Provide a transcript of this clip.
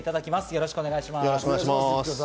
よろしくお願いします。